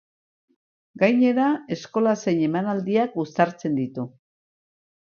Gainera, eskola zein emanaldiak uztartzen ditu.